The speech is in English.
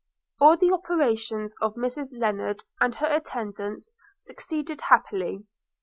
All the operations of Mrs Lennard and her attendants succeeded happily.